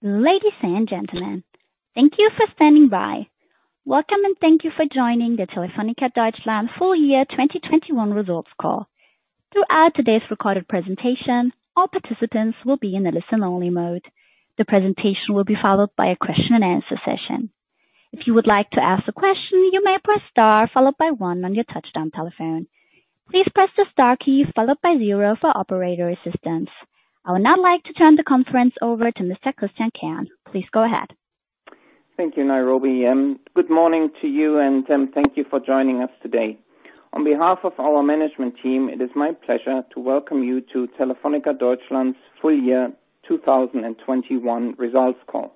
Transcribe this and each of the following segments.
Ladies and gentlemen, thank you for standing by. Welcome, and thank you for joining the Telefónica Deutschland full year 2021 results call. Throughout today's recorded presentation, all participants will be in a listen-only mode. The presentation will be followed by a question-and-answer session. If you would like to ask a question, you may press star followed by one on your touch-tone telephone. Please press the star key followed by zero for operator assistance. I would now like to turn the conference over to Mr. Christian Kern. Please go ahead. Thank you, Nairobi, and good morning to you, and thank you for joining us today. On behalf of our management team, it is my pleasure to welcome you to Telefónica Deutschland's full year 2021 results call.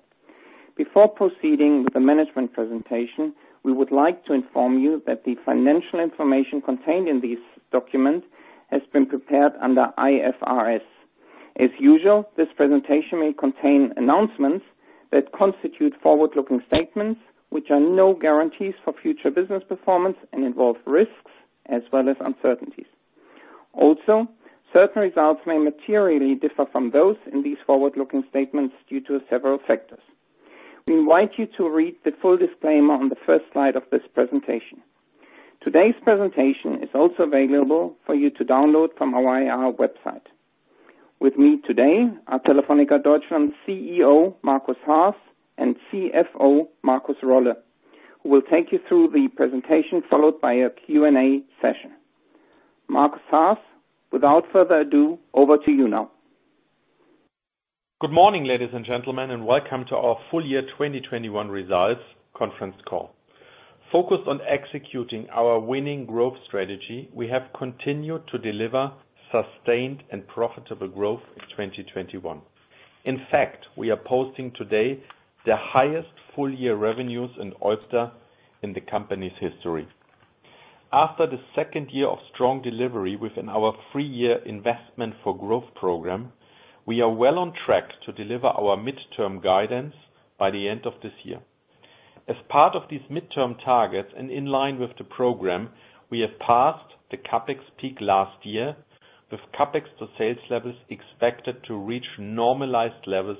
Before proceeding with the management presentation, we would like to inform you that the financial information contained in this document has been prepared under IFRS. As usual, this presentation may contain announcements that constitute forward-looking statements, which are no guarantees for future business performance and involve risks as well as uncertainties. Also, certain results may materially differ from those in these forward-looking statements due to several factors. We invite you to read the full disclaimer on the first slide of this presentation. Today's presentation is also available for you to download from our IR website. With me today are Telefónica Deutschland CEO, Markus Haas, and CFO, Markus Rolle, who will take you through the presentation, followed by a Q&A session. Markus Haas, without further ado, over to you now. Good morning, ladies and gentlemen, and welcome to our full year 2021 results conference call. Focused on executing our winning growth strategy, we have continued to deliver sustained and profitable growth in 2021. In fact, we are posting today the highest full-year revenues in OIBDA in the company's history. After the second year of strong delivery within our three-year investment for growth program, we are well on track to deliver our midterm guidance by the end of this year. As part of these midterm targets and in line with the program, we have passed the CapEx peak last year, with CapEx to sales levels expected to reach normalized levels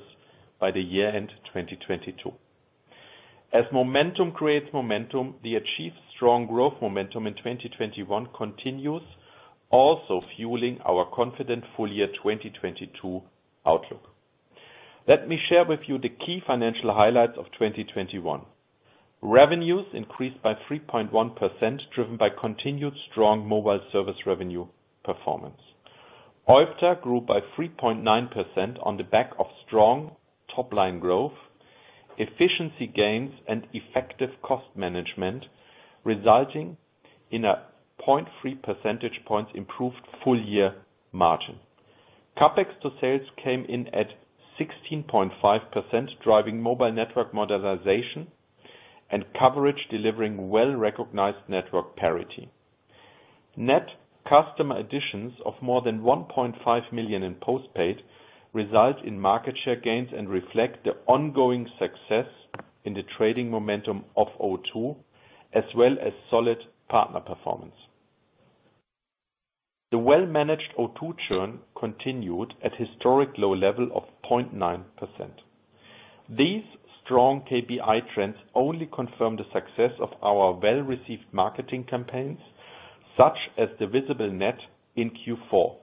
by the year-end 2022. As momentum creates momentum, the achieved strong growth momentum in 2021 continues, also fueling our confident full year 2022 outlook. Let me share with you the key financial highlights of 2021. Revenues increased by 3.1%, driven by continued strong mobile service revenue performance. OIBDA grew by 3.9% on the back of strong top-line growth, efficiency gains, and effective cost management, resulting in a 0.3 percentage points improved full-year margin. CapEx to sales came in at 16.5%, driving mobile network modernization and coverage, delivering well-recognized network parity. Net customer additions of more than 1.5 million in postpaid result in market share gains and reflect the ongoing success in the trending momentum of O2 as well as solid partner performance. The well-managed O2 churn continued at historic low level of 0.9%. These strong KPI trends only confirm the success of our well-received marketing campaigns, such as The Visible Net in Q4,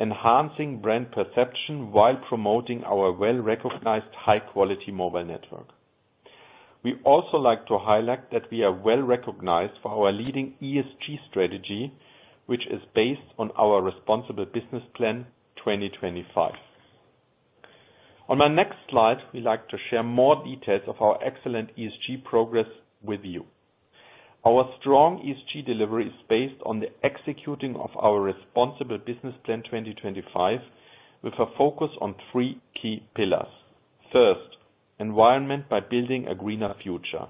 enhancing brand perception while promoting our well-recognized high-quality mobile network. We also like to highlight that we are well-recognized for our leading ESG strategy, which is based on our Responsible Business Plan 2025. On my next slide, we like to share more details of our excellent ESG progress with you. Our strong ESG delivery is based on the executing of our Responsible Business Plan 2025 with a focus on three key pillars. First, environment by building a greener future.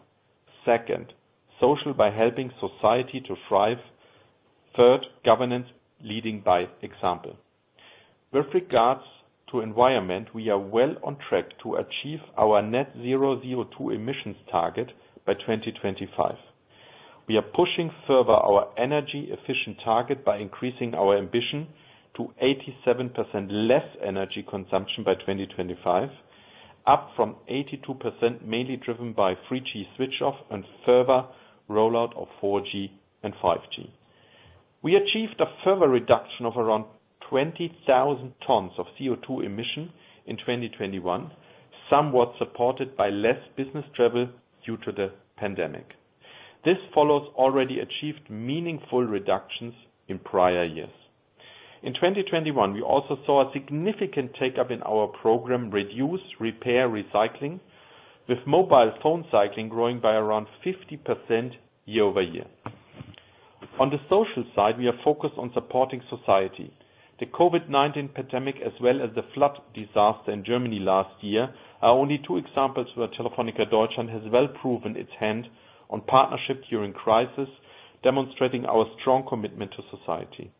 Second, social by helping society to thrive. Third, governance leading by example. With regards to environment, we are well on track to achieve our net zero CO2 emissions target by 2025. We are pushing further our energy efficient target by increasing our ambition to 87% less energy consumption by 2025, up from 82%, mainly driven by 3G switch off and further rollout of 4G and 5G. We achieved a further reduction of around 20,000 tons of CO2 emissions in 2021, somewhat supported by less business travel due to the pandemic. This follows already achieved meaningful reductions in prior years. In 2021, we also saw a significant take-up in our program Reduce, Repair, Recycling, with mobile phone cycling growing by around 50% year-over-year. On the social side, we are focused on supporting society. The COVID-19 pandemic as well as the flood disaster in Germany last year are only two examples where Telefónica Deutschland has well proven its hands-on partnership during crisis, demonstrating our strong commitment to society.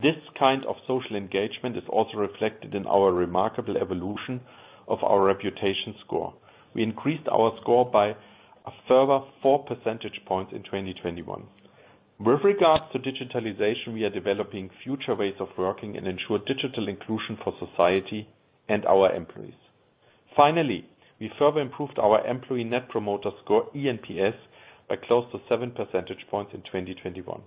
This kind of social engagement is also reflected in our remarkable evolution of our reputation score. We increased our score by a further 4 percentage points in 2021. With regards to digitalization, we are developing future ways of working and ensure digital inclusion for society and our employees. Finally, we further improved our Employee Net Promoter Score, eNPS, by close to 7 percentage points in 2021.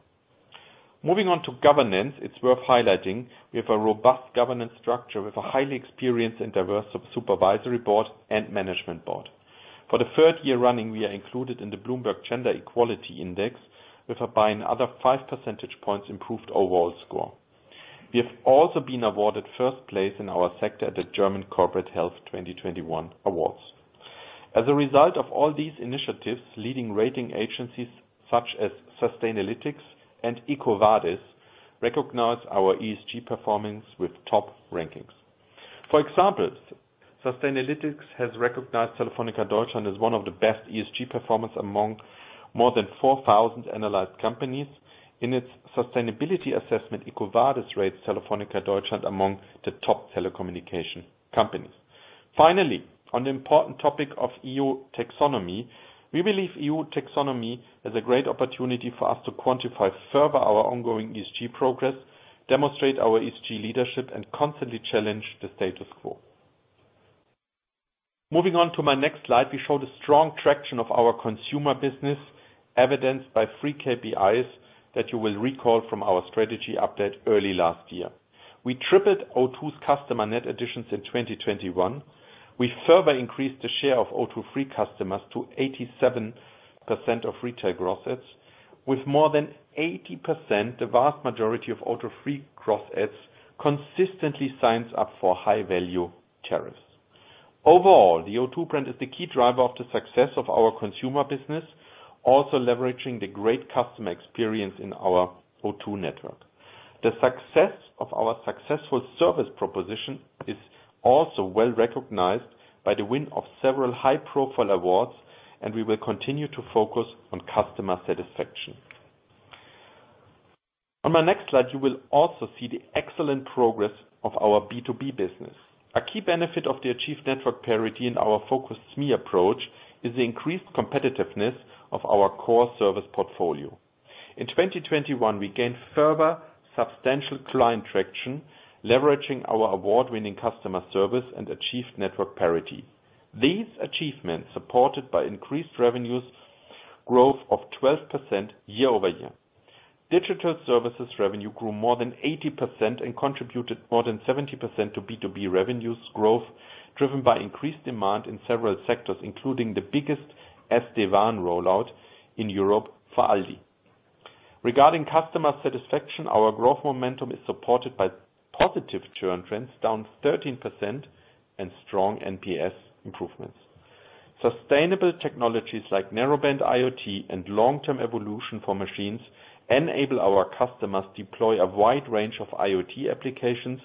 Moving on to governance, it's worth highlighting, we have a robust governance structure with a highly experienced and diverse supervisory board and management board. For the third year running, we are included in the Bloomberg Gender-Equality Index with, by another 5 percentage points, improved overall score. We have also been awarded first place in our sector at the German Corporate Health Award 2021. As a result of all these initiatives, leading rating agencies such as Sustainalytics and EcoVadis recognize our ESG performance with top rankings. For example, Sustainalytics has recognized Telefónica Deutschland as one of the best ESG performance among more than 4,000 analyzed companies. In its sustainability assessment, EcoVadis rates Telefónica Deutschland among the top telecommunications companies. Finally, on the important topic of EU Taxonomy, we believe EU Taxonomy is a great opportunity for us to quantify further our ongoing ESG progress, demonstrate our ESG leadership, and constantly challenge the status quo. Moving on to my next slide, we show the strong traction of our consumer business evidenced by three KPIs that you will recall from our strategy update early last year. We tripled O2's customer net additions in 2021. We further increased the share of O2 Free customers to 87% of retail gross adds. With more than 80%, the vast majority of O2 Free gross adds consistently signs up for high-value tariffs. Overall, the O2 brand is the key driver of the success of our consumer business, also leveraging the great customer experience in our O2 network. The success of our successful service proposition is also well-recognized by the win of several high-profile awards, and we will continue to focus on customer satisfaction. On my next slide, you will also see the excellent progress of our B2B business. A key benefit of the achieved network parity in our focused SME approach is the increased competitiveness of our core service portfolio. In 2021, we gained further substantial client traction, leveraging our award-winning customer service and achieved network parity. These achievements supported by increased revenues growth of 12% year-over-year. Digital services revenue grew more than 80% and contributed more than 70% to B2B revenues growth, driven by increased demand in several sectors, including the biggest SD-WAN rollout in Europe for ALDI. Regarding customer satisfaction, our growth momentum is supported by positive churn trends, down 13% and strong NPS improvements. Sustainable technologies like Narrowband IoT and long-term evolution for machines enable our customers to deploy a wide range of IoT applications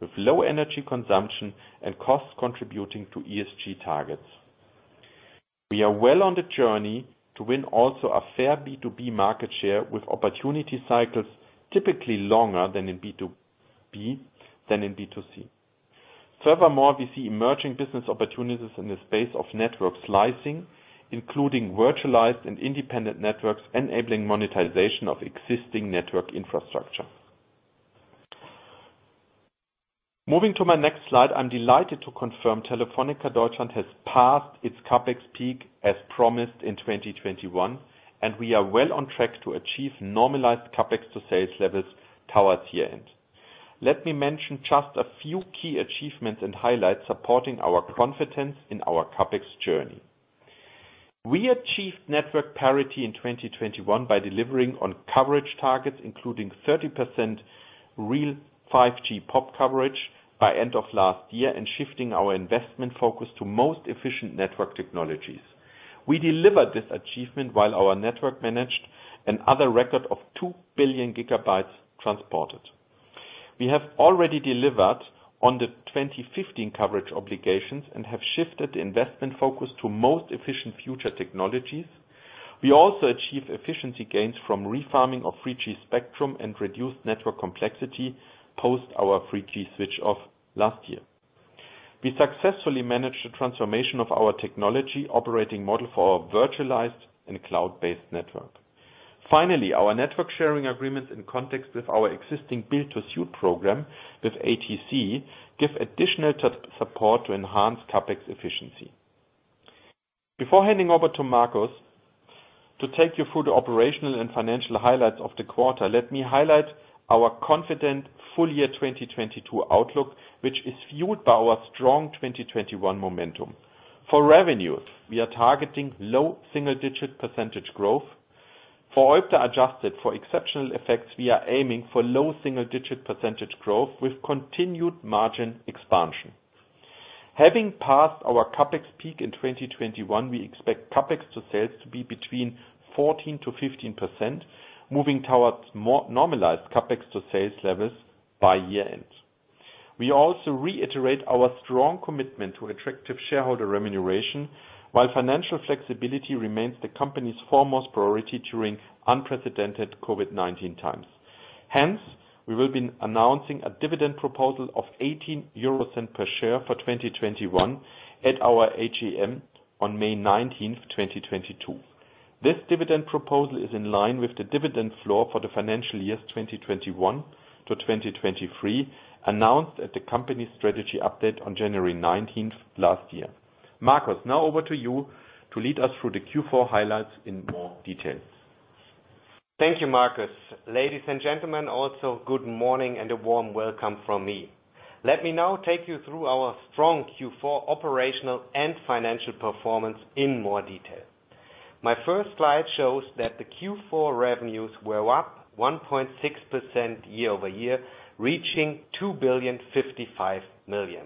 with low energy consumption and costs contributing to ESG targets. We are well on the journey to win also a fair B2B market share with opportunity cycles typically longer in B2B than in B2C. Furthermore, we see emerging business opportunities in the space of network slicing, including virtualized and independent networks, enabling monetization of existing network infrastructure. Moving to my next slide, I'm delighted to confirm Telefónica Deutschland has passed its CapEx peak as promised in 2021, and we are well on track to achieve normalized CapEx to sales levels towards year-end. Let me mention just a few key achievements and highlights supporting our confidence in our CapEx journey. We achieved network parity in 2021 by delivering on coverage targets, including 30% real 5G pop coverage by end of last year and shifting our investment focus to most efficient network technologies. We delivered this achievement while our network managed another record of 2 billion GB transported. We have already delivered on the 2015 coverage obligations and have shifted the investment focus to most efficient future technologies. We also achieve efficiency gains from refarming of 3G spectrum and reduced network complexity post our 3G switch off last year. We successfully managed the transformation of our technology operating model for our virtualized and cloud-based network. Finally, our network sharing agreements in context with our existing build-to-suit program with ATC give additional support to enhance CapEx efficiency. Before handing over to Markus to take you through the operational and financial highlights of the quarter, let me highlight our confident full year 2022 outlook, which is fueled by our strong 2021 momentum. For revenues, we are targeting low single-digit percentage growth. For OIBDA adjusted for exceptional effects, we are aiming for low single-digit percentage growth with continued margin expansion. Having passed our CapEx peak in 2021, we expect CapEx to sales to be between 14%-15%, moving towards more normalized CapEx to sales levels by year-end. We also reiterate our strong commitment to attractive shareholder remuneration while financial flexibility remains the company's foremost priority during unprecedented COVID-19 times. Hence, we will be announcing a dividend proposal of 0.18 per share for 2021 at our AGM on May 19, 2022. This dividend proposal is in line with the dividend flow for the financial years 2021 to 2023, announced at the company strategy update on January 19 last year. Markus, now over to you to lead us through the Q4 highlights in more details. Thank you, Markus. Ladies and gentlemen, also good morning and a warm welcome from me. Let me now take you through our strong Q4 operational and financial performance in more detail. My first slide shows that the Q4 revenues were up 1.6% year-over-year, reaching 2.055 billion.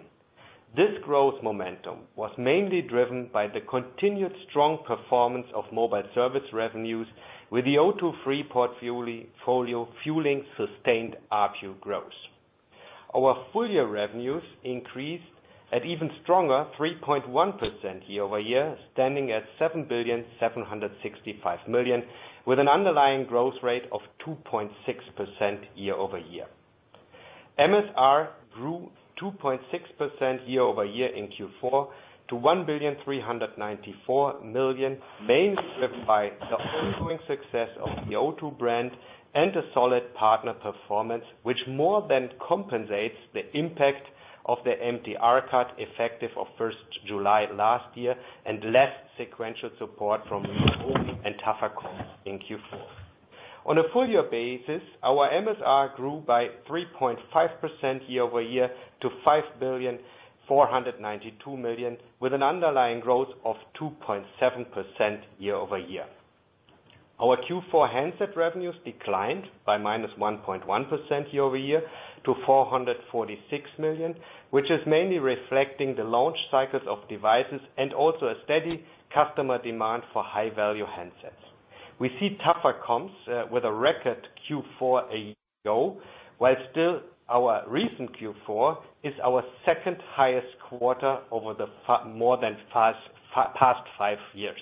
This growth momentum was mainly driven by the continued strong performance of mobile service revenues with the O2 Free portfolio fueling sustained ARPU growth. Our full year revenues increased at even stronger 3.1% year-over-year, standing at 7.765 billion, with an underlying growth rate of 2.6% year-over-year. MSR grew 2.6% year-over-year in Q4 to 1,394 million, mainly driven by the ongoing success of the O2 brand and a solid partner performance, which more than compensates the impact of the MTR cut effective of July 1st last year and less sequential support from Home and tougher comps in Q4. On a full year basis, our MSR grew by 3.5% year-over-year to 5.492 billion, with an underlying growth of 2.7% year-over-year. Our Q4 handset revenues declined by -1.1% year-over-year to 446 million, which is mainly reflecting the launch cycles of devices and also a steady customer demand for high value handsets. We see tougher comps with a record Q4 a year ago, while still our recent Q4 is our second highest quarter over the past five years.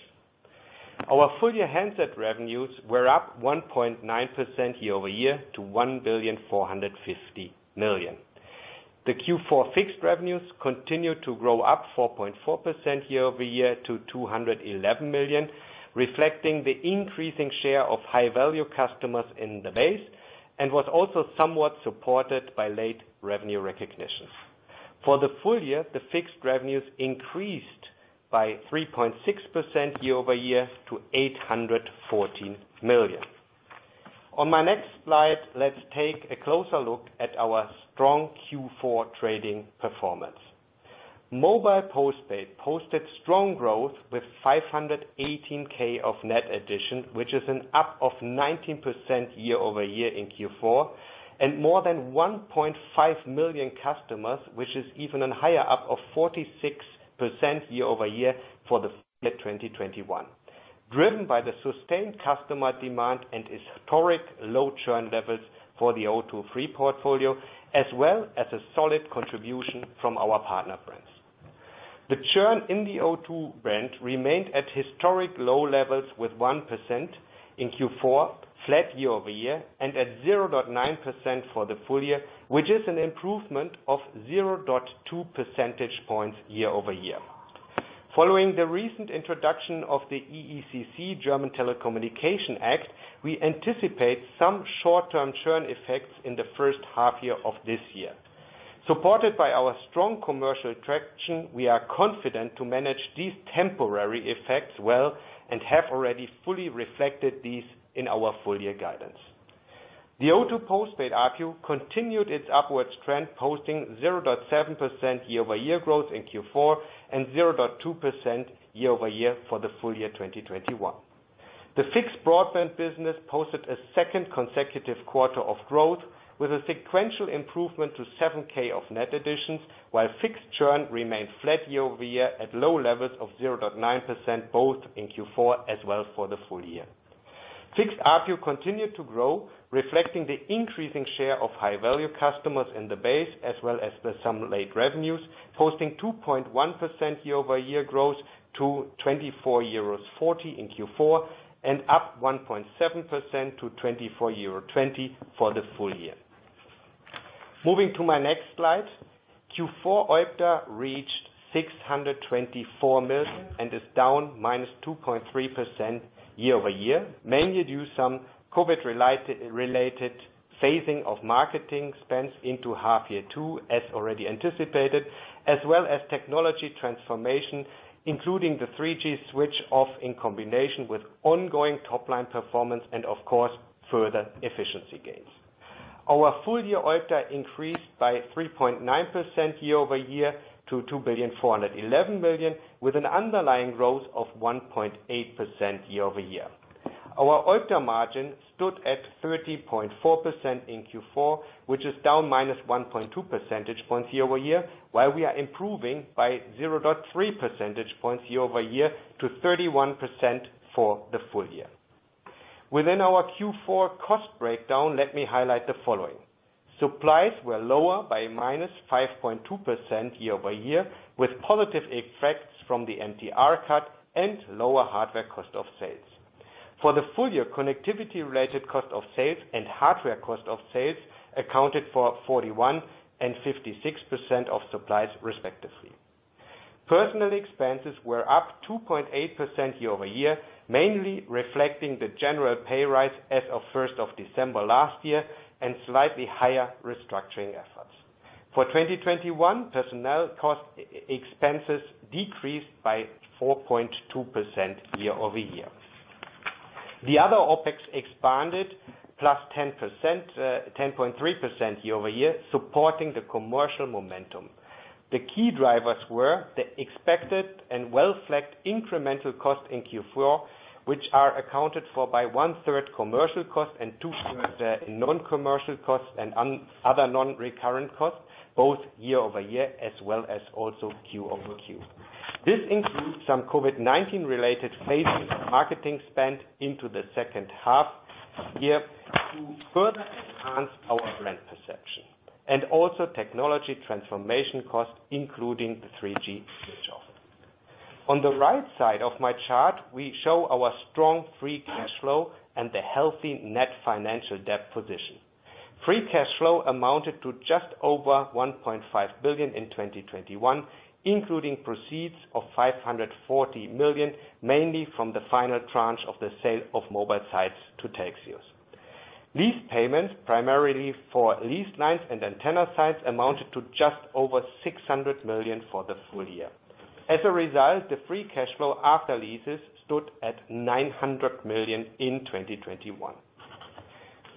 Our full-year handset revenues were up 1.9% year-over-year to 1.45 billion. The Q4 fixed revenues continued to grow up 4.4% year-over-year to 211 million, reflecting the increasing share of high value customers in the base and was also somewhat supported by late revenue recognition. For the full year, the fixed revenues increased by 3.6% year-over-year to 814 million. On my next slide, let's take a closer look at our strong Q4 trading performance. Mobile postpaid posted strong growth with 518K of net addition, which is an up of 19% year-over-year in Q4. More than 1.5 million customers, which is even a higher up of 46% year-over-year for the full year 2021, driven by the sustained customer demand and historic low churn levels for the O2 Free portfolio, as well as a solid contribution from our partner brands. The churn in the O2 brand remained at historic low levels with 1% in Q4, flat year-over-year, and at 0.9% for the full year, which is an improvement of 0.2 percentage points year-over-year. Following the recent introduction of the EECC German Telecommunications Act, we anticipate some short-term churn effects in the first half year of this year. Supported by our strong commercial traction, we are confident to manage these temporary effects well and have already fully reflected these in our full year guidance. The O2 postpaid ARPU continued its upwards trend, posting 0.7% year-over-year growth in Q4 and 0.2% year-over-year for the full year 2021. The fixed broadband business posted a second consecutive quarter of growth with a sequential improvement to 7,000 net additions, while fixed churn remained flat year-over-year at low levels of 0.9%, both in Q4 as well for the full year. Fixed ARPU continued to grow, reflecting the increasing share of high-value customers in the base, as well as the mobile revenues, posting 2.1% year-over-year growth to 24.40 euros in Q4, and up 1.7% to 24.20 euros for the full year. Moving to my next slide, Q4 OIBDA reached 624 million and is down -2.3% year-over-year. Mainly due to some COVID-related phasing of marketing spends into half year two, as already anticipated, as well as technology transformation, including the 3G switch off in combination with ongoing top-line performance and of course, further efficiency gains. Our full year OIBDA increased by 3.9% year-over-year to 2.411 billion, with an underlying growth of 1.8% year-over-year. Our OIBDA margin stood at 30.4% in Q4, which is down -1.2 percentage points year over year, while we are improving by 0.3 percentage points year over year to 31% for the full year. Within our Q4 cost breakdown, let me highlight the following. Supplies were lower by -5.2% year-over-year, with positive effects from the MTR cut and lower hardware cost of sales. For the full year, connectivity-related cost of sales and hardware cost of sales accounted for 41& and 56% of supplies respectively. Personnel expenses were up 2.8% year-over-year, mainly reflecting the general pay rise as of first of December last year and slightly higher restructuring efforts. For 2021, personnel expenses decreased by 4.2% year-over-year. The other OpEx expanded 10.3% year-over-year, supporting the commercial momentum. The key drivers were the expected and well-flagged incremental cost in Q4, which are accounted for by one-third commercial costs and two-thirds non-commercial costs and other non-recurrent costs, both year-over-year as well as Q-over-Q. This includes some COVID-19 related phasing of marketing spend into the second half year to further enhance our brand perception, and also technology transformation costs, including the 3G switch off. On the right side of my chart, we show our strong free cash flow and the healthy net financial debt position. Free cash flow amounted to just over 1.5 billion in 2021, including proceeds of 540 million, mainly from the final tranche of the sale of mobile sites to Telxius. Lease payments, primarily for lease lines and antenna sites, amounted to just over 600 million for the full year. As a result, the free cash flow after leases stood at 900 million in 2021.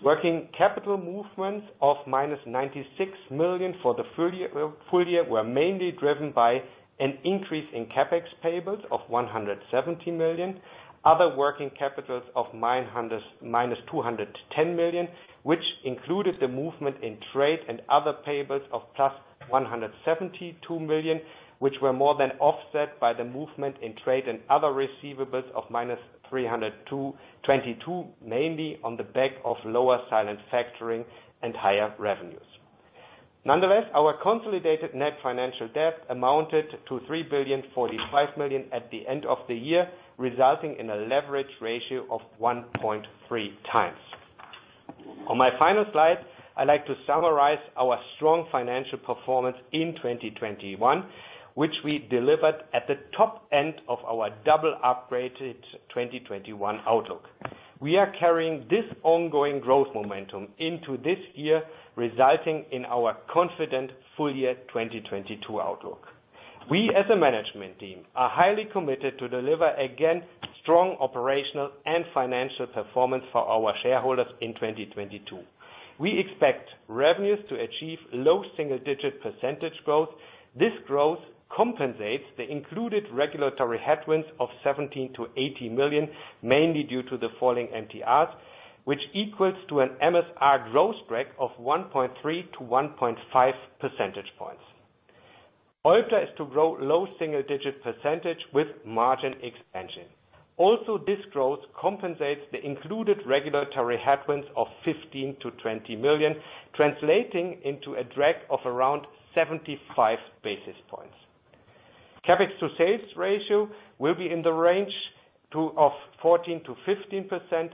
Working capital movements of -96 million for the full year were mainly driven by an increase in CapEx payables of 170 million. Other working capital movements of -210 million, which included the movement in trade and other payables of 172 million, which were more than offset by the movement in trade and other receivables of -322 million, mainly on the back of lower silent factoring and higher revenues. Nonetheless, our consolidated net financial debt amounted to 3.045 billion at the end of the year, resulting in a leverage ratio of 1.3x. On my final slide, I'd like to summarize our strong financial performance in 2021, which we delivered at the top end of our double-upgraded 2021 outlook. We are carrying this ongoing growth momentum into this year, resulting in our confident full year 2022 outlook. We, as a management team, are highly committed to deliver again strong operational and financial performance for our shareholders in 2022. We expect revenues to achieve low single-digit % growth. This growth compensates the included regulatory headwinds of 17 million-18 million, mainly due to the falling MTRs, which equals to an MSR growth break of 1.3-1.5 percentage points. OIBDA is to grow low single-digit % with margin expansion. This growth compensates the included regulatory headwinds of 15 - 20 million, translating into a drag of around 75 basis points. CapEx to sales ratio will be in the range of 14%-15%,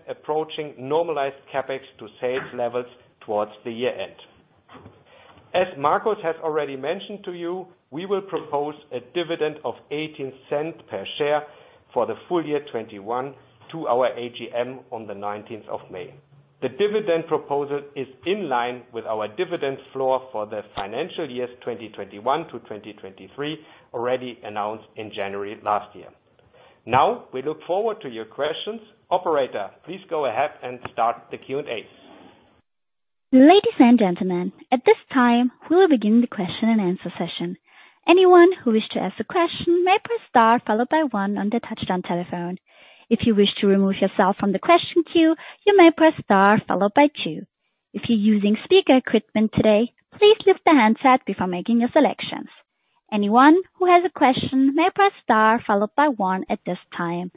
approaching normalized CapEx to sales levels towards the year end. Markus has already mentioned to you, we will propose a dividend of 0.18 per share for the full year 2021 to our AGM on the 19th of May. The dividend proposal is in line with our dividend floor for the financial years 2021 to 2023, already announced in January last year. Now, we look forward to your questions. Operator, please go ahead and start the Q&As. Ladies and gentlemen, at this time, we'll begin the question and answer session. Anyone who wishes to ask a question may press star followed by one on their touch-tone telephone. If you wish to remove yourself from the question queue, you may press star followed by two. If you're using speaker equipment today, please lift the handset before making your selections. Anyone who has a question may press star followed by one at this time.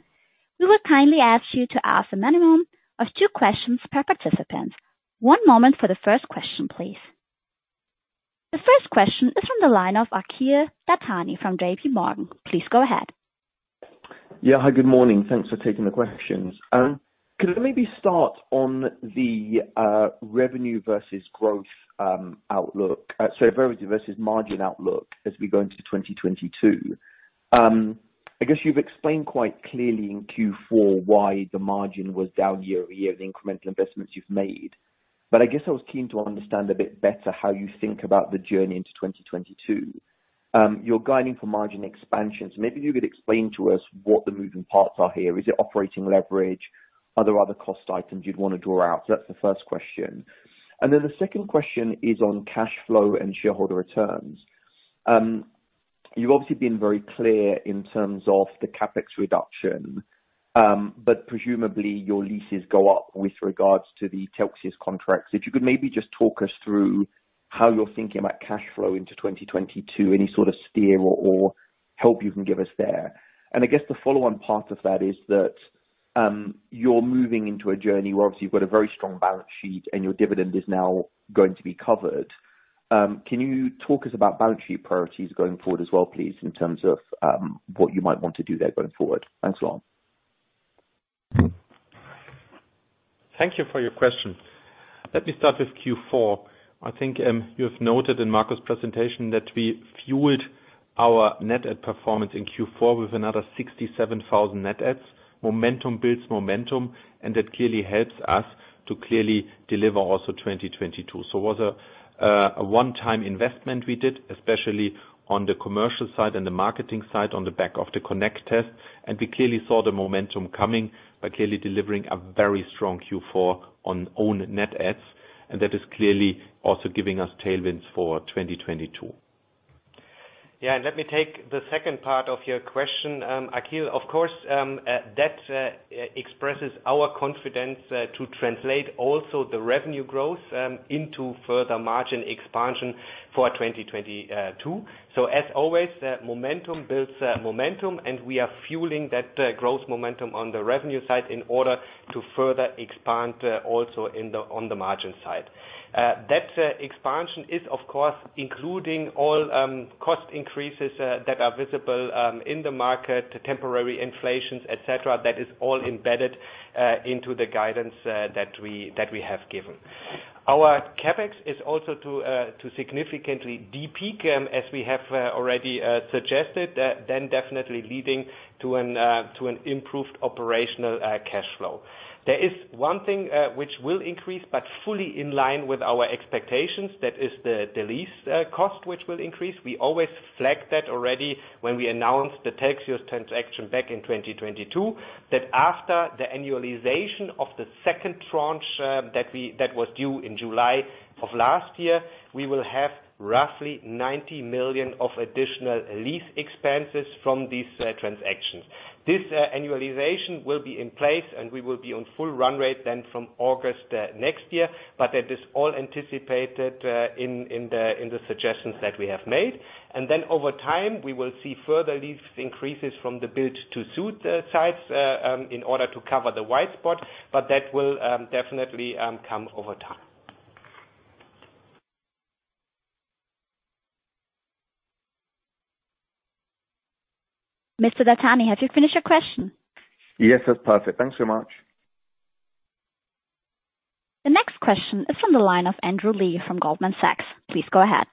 We will kindly ask you to ask a minimum of two questions per participant. One moment for the first question, please. The first question is from the line of Akhil Dattani from JPMorgan. Please go ahead. Yeah. Hi, good morning. Thanks for taking the questions. Could I maybe start on the revenue versus margin outlook as we go into 2022. I guess you've explained quite clearly in Q4 why the margin was down year-over-year, the incremental investments you've made. I guess I was keen to understand a bit better how you think about the journey into 2022. You're guiding for margin expansion, maybe you could explain to us what the moving parts are here. Is it operating leverage? Are there other cost items you'd wanna draw out? That's the first question. Then the second question is on cash flow and shareholder returns. You've obviously been very clear in terms of the CapEx reduction, but presumably your leases go up with regards to the Telxius contracts. If you could maybe just talk us through how you're thinking about cash flow into 2022, any sort of steer or help you can give us there. I guess the follow on part of that is that, you're moving into a journey where obviously you've got a very strong balance sheet and your dividend is now going to be covered. Can you talk us about balance sheet priorities going forward as well, please, in terms of, what you might want to do there going forward? Thanks a lot. Thank you for your question. Let me start with Q4. I think you have noted in Markus's presentation that we fueled our net add performance in Q4 with another 67,000 net adds. Momentum builds momentum, and that clearly helps us to clearly deliver also 2022. It was a one-time investment we did, especially on the commercial side and the marketing side on the back of the Connect test. We clearly saw the momentum coming by clearly delivering a very strong Q4 on own net adds, and that is clearly also giving us tailwinds for 2022. Yeah, let me take the second part of your question, Akhil Dattani. Of course, that expresses our confidence to translate also the revenue growth into further margin expansion for 2022. As always, momentum builds momentum, and we are fueling that growth momentum on the revenue side in order to further expand also on the margin side. That expansion is of course including all cost increases that are visible in the market, temporary inflations, et cetera. That is all embedded into the guidance that we have given. Our CapEx is also to significantly de-peak as we have already suggested, then definitely leading to an improved operational cash flow. There is one thing which will increase, but fully in line with our expectations. That is the lease cost, which will increase. We always flagged that already when we announced the Telxius transaction back in 2022, that after the annualization of the second tranche that was due in July of last year, we will have roughly 90 million of additional lease expenses from these transactions. This annualization will be in place and we will be on full run rate then from August next year. That is all anticipated in the suggestions that we have made. Over time, we will see further lease increases from the build-to-suit sites in order to cover the white spot, but that will definitely come over time. Mr. Dattani, have you finished your question? Yes, that's perfect. Thanks so much. The next question is from the line of Andrew Lee from Goldman Sachs. Please go ahead.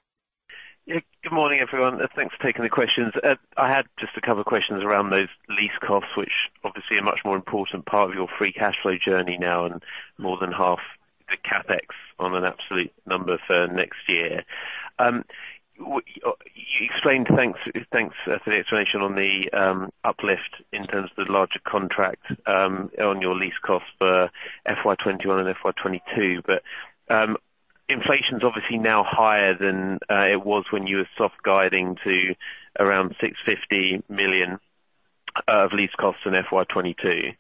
Yeah. Good morning, everyone. Thanks for taking the questions. I had just a couple of questions around those lease costs, which obviously a much more important part of your free cash flow journey now and more than half the CapEx on an absolute number for next year. You explained. Thanks for the explanation on the uplift in terms of the larger contract on your lease costs for FY 2021 and FY 2022. Inflation's obviously now higher than it was when you were soft guiding to around 650 million of lease costs in FY 2022.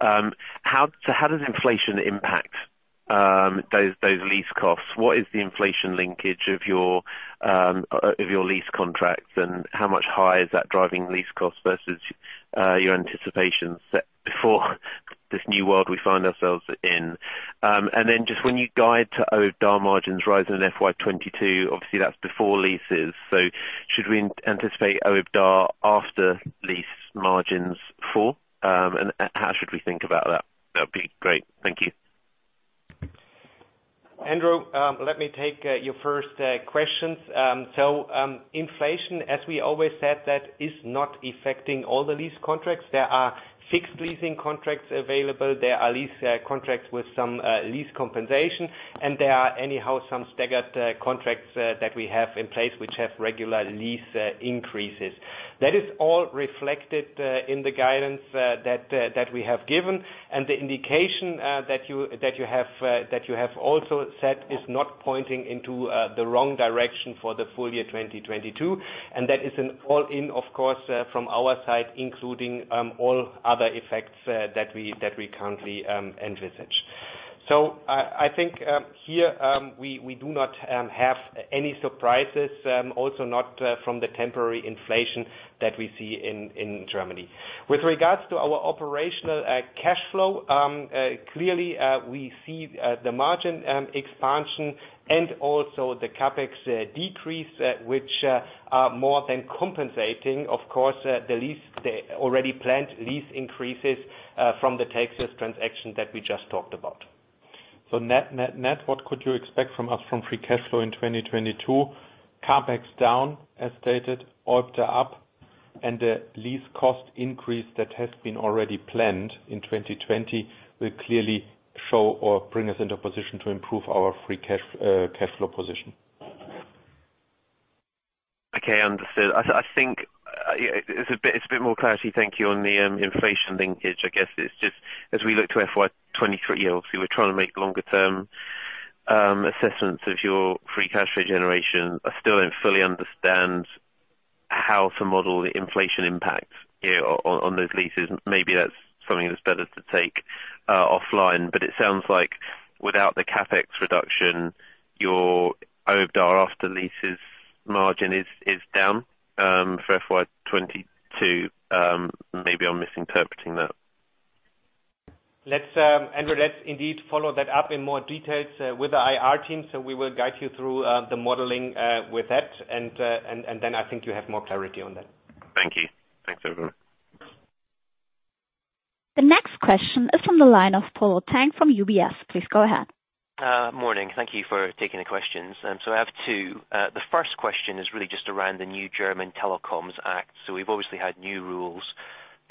How does inflation impact those lease costs? What is the inflation linkage of your of your lease contracts, and how much higher is that driving lease costs versus your anticipations set before this new world we find ourselves in? Just when you guide to OIBDA margins rising in FY 2022, obviously that's before leases. Should we anticipate OIBDA after lease margins fall? How should we think about that? That'd be great. Thank you. Andrew, let me take your first questions. Inflation, as we always said, that is not affecting all the lease contracts. There are fixed leasing contracts available. There are lease contracts with some lease compensation, and there are anyhow some staggered contracts that we have in place which have regular lease increases. That is all reflected in the guidance that we have given. The indication that you have also set is not pointing into the wrong direction for the full year 2022, and that is an all-in, of course, from our side, including all other effects that we currently envisage. I think here we do not have any surprises, also not from the temporary inflation that we see in Germany. With regards to our operational cash flow, clearly we see the margin expansion and also the CapEx decrease, which are more than compensating, of course, the already planned lease increases from the Telxius transaction that we just talked about. Net, what could you expect from us from free cash flow in 2022? CapEx down, as stated, OIBDA up, and the lease cost increase that has been already planned in 2020 will clearly show or bring us into position to improve our free cash flow position. Okay, understood. I think it's a bit more clarity, thank you, on the inflation linkage. I guess it's just as we look to FY 2023 yields, we were trying to make longer-term assessments of your free cash flow generation. I still don't fully understand how to model the inflation impact here on those leases. Maybe that's something that's better to take offline, but it sounds like without the CapEx reduction, your OIBDA after leases margin is down for FY 2022. Maybe I'm misinterpreting that. Let's, Andrew, let's indeed follow that up in more details with the IR team, so we will guide you through the modeling with that. I think you have more clarity on that. Thank you. Thanks everyone. The next question is from the line of Polo Tang from UBS. Please go ahead. Morning. Thank you for taking the questions. I have two. The first question is really just around the new German Telecommunications Act. We've obviously had new rules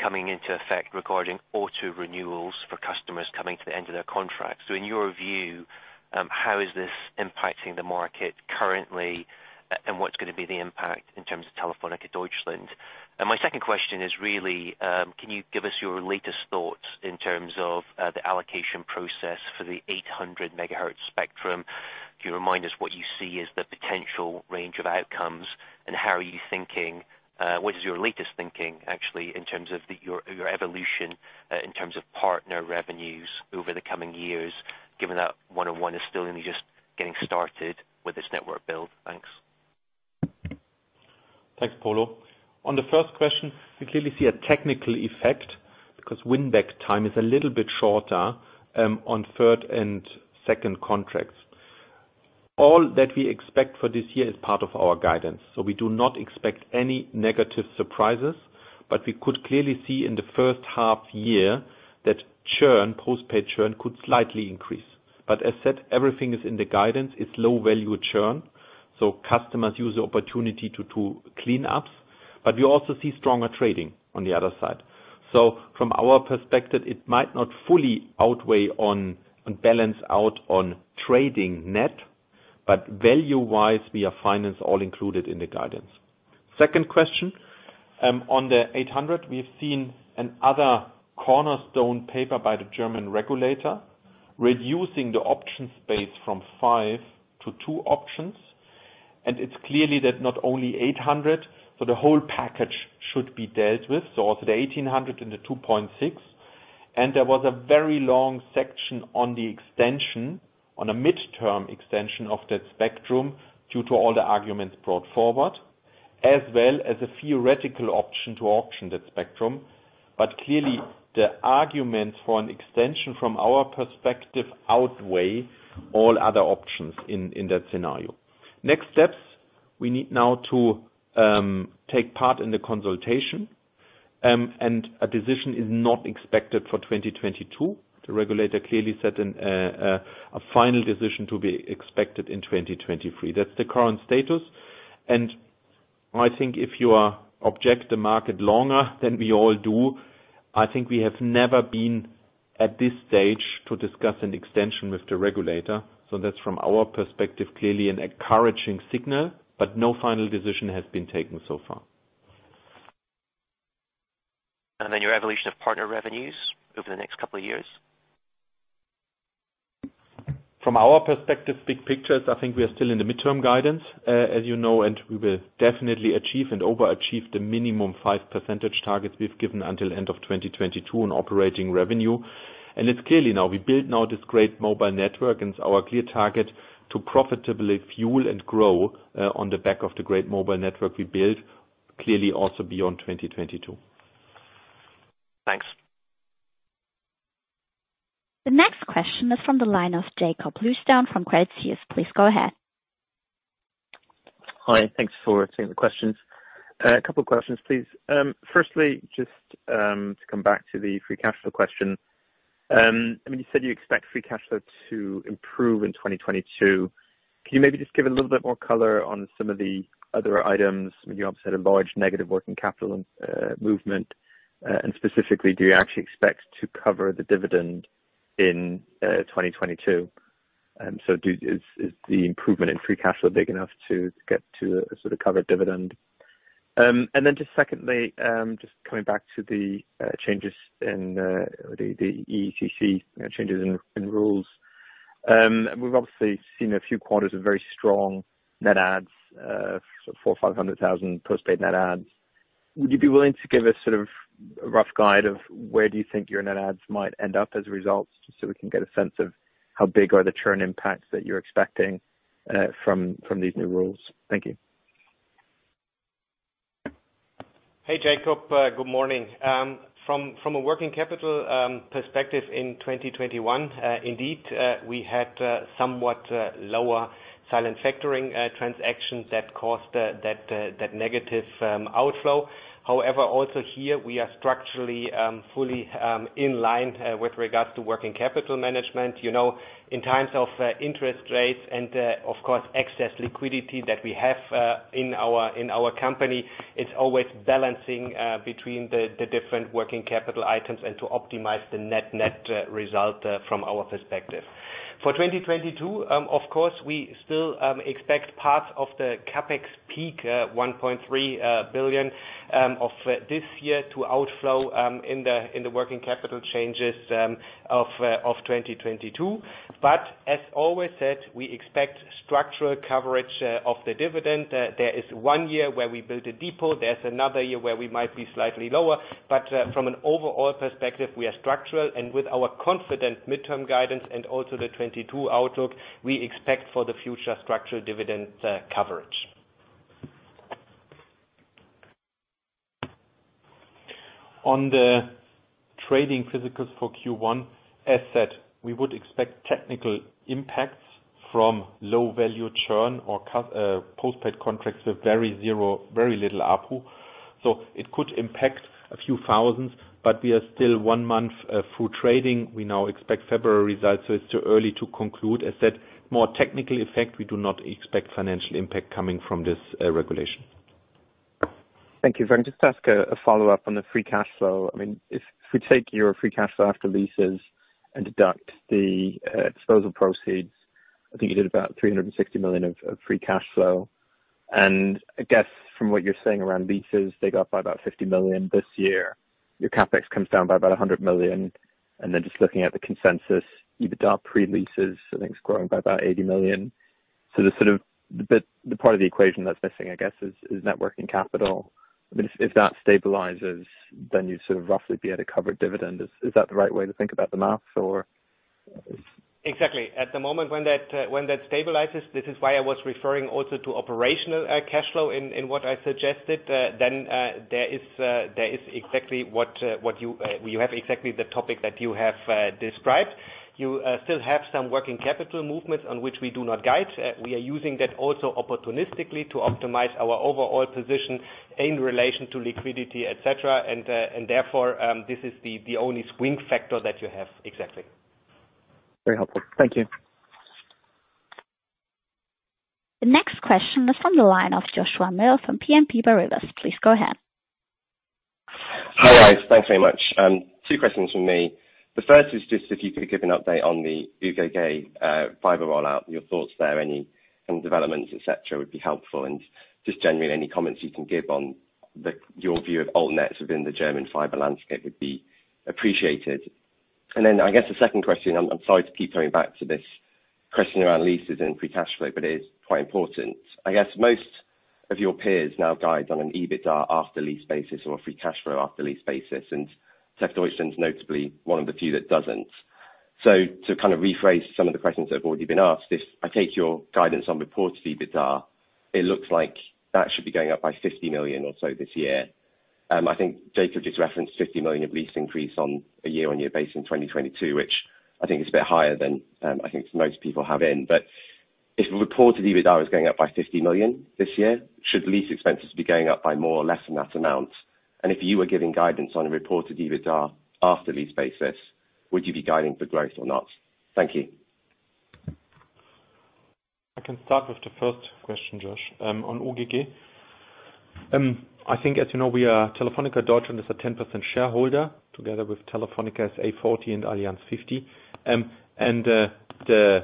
coming into effect regarding auto renewals for customers coming to the end of their contract. In your view, how is this impacting the market currently? And what's gonna be the impact in terms of Telefónica Deutschland? My second question is really, can you give us your latest thoughts in terms of the allocation process for the 800 MHz spectrum? Can you remind us what you see as the potential range of outcomes, and how are you thinking, what is your latest thinking actually in terms of the, your evolution, in terms of partner revenues over the coming years, given that 1&1 is still only just getting started with this network build? Thanks. Thanks, Polo. On the first question, we clearly see a technical effect because win back time is a little bit shorter on third and second contracts. All that we expect for this year is part of our guidance, so we do not expect any negative surprises. We could clearly see in the first half year that churn, post-paid churn could slightly increase. As said, everything is in the guidance. It's low value churn, so customers use the opportunity to clean ups. We also see stronger trading on the other side. From our perspective, it might not fully outweigh on balance out on trading net, but value-wise we are fine all included in the guidance. Second question, on the 800, we've seen another cornerstone paper by the German regulator reducing the option space from five to two options. It's clearly that not only 800, so the whole package should be dealt with, so also the 1800 and the 2.6. There was a very long section on the extension, on a midterm extension of that spectrum due to all the arguments brought forward, as well as a theoretical option to auction that spectrum. Clearly the arguments for an extension from our perspective outweigh all other options in that scenario. Next steps, we need now to take part in the consultation, and a decision is not expected for 2022. The regulator clearly said a final decision to be expected in 2023. That's the current status. I think if you have observed the market longer than we all do, I think we have never been at this stage to discuss an extension with the regulator. That's from our perspective, clearly an encouraging signal, but no final decision has been taken so far. Your evolution of partner revenues over the next couple of years. From our perspective, big picture, I think we are still in the mid-term guidance, as you know, and we will definitely achieve and overachieve the minimum 5% targets we've given until end of 2022 in operating revenue. It's clear we build this great mobile network, and it's our clear target to profitably fuel and grow on the back of the great mobile network we build, clearly also beyond 2022. Thanks. The next question is from the line of Jakob Bluestone from Credit Suisse. Please go ahead. Hi. Thanks for taking the questions. A couple questions, please. Firstly, just to come back to the free cash flow question. I mean, you said you expect free cash flow to improve in 2022. Can you maybe just give a little bit more color on some of the other items? I mean, you obviously had a large negative working capital movement, and specifically, do you actually expect to cover the dividend in 2022? Is the improvement in free cash flow big enough to get to sort of cover dividend? Just secondly, just coming back to the changes in the EECC, changes in rules. We've obviously seen a few quarters of very strong net adds, 400,000-500,000 postpaid net adds. Would you be willing to give a sort of a rough guide of where do you think your net adds might end up as a result, just so we can get a sense of how big are the churn impacts that you're expecting, from these new rules? Thank you. Hey, Jakob. Good morning. From a working capital perspective in 2021, indeed, we had somewhat lower silent factoring transactions that caused that negative outflow. However, also here we are structurally fully in line with regards to working capital management. You know, in times of interest rates and, of course, excess liquidity that we have in our company, it's always balancing between the different working capital items and to optimize the net-net result from our perspective. For 2022, of course, we still expect parts of the CapEx peak, 1.3 billion of this year to outflow in the working capital changes of 2022. As always said, we expect structural coverage of the dividend. There is one year where we built a depot. There's another year where we might be slightly lower, but from an overall perspective, we are structural. With our confident midterm guidance and also the 2022 outlook, we expect for the future structural dividend coverage. On the trading physicals for Q1, as said, we would expect technical impacts from low value churn or postpaid contracts with very low, very little ARPU. It could impact a few thousands, but we are still one month full trading. We now expect February results, so it's too early to conclude. As said, more technical effect, we do not expect financial impact coming from this regulation. Thank you. Can I just ask a follow-up on the free cash flow? I mean, if we take your free cash flow after leases and deduct the disposal proceeds, I think you did about 360 million of free cash flow. I guess from what you're saying around leases, they go up by about 50 million this year. Your CapEx comes down by about 100 million. Then just looking at the consensus, EBITDA pre-leases, I think it's growing by about 80 million. The sort of the bit, the part of the equation that's missing, I guess, is net working capital. I mean, if that stabilizes, then you'd sort of roughly be able to cover dividend. Is that the right way to think about the math? Exactly. At the moment when that stabilizes, this is why I was referring also to operational cash flow in what I suggested. Then there is exactly what you have exactly the topic that you have described. You still have some working capital movements on which we do not guide. We are using that also opportunistically to optimize our overall position in relation to liquidity, et cetera. Therefore this is the only swing factor that you have. Exactly. Very helpful. Thank you. The next question is from the line of Joshua Mills from BNP Paribas. Please go ahead. Hi, guys. Thanks very much. Two questions from me. The first is just if you could give an update on the UGG fiber rollout, your thoughts there, any developments, et cetera, would be helpful. Just generally, any comments you can give on your view of Altnet within the German fiber landscape would be appreciated. Then I guess the second question. I'm sorry to keep coming back to this question around leases and free cash flow, but it is quite important. I guess most of your peers now guide on an EBITDA after lease basis or a free cash flow after lease basis. Telefónica is notably one of the few that doesn't. To kind of rephrase some of the questions that have already been asked, if I take your guidance on reported EBITDA, it looks like that should be going up by 50 million or so this year. I think Jakob just referenced 50 million of lease increase on a year-on-year basis in 2022, which I think is a bit higher than, I think most people have in. If the reported EBITDA is going up by 50 million this year, should lease expenses be going up by more or less than that amount? If you were giving guidance on a reported EBITDA after lease basis, would you be guiding for growth or not? Thank you. I can start with the first question, Josh. On UGG, I think as you know, we are Telefónica Deutschland is a 10% shareholder together with Telefónica 40% and Allianz 50%. The